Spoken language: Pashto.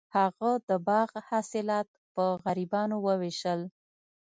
هغه د باغ حاصلات په غریبانو وویشل.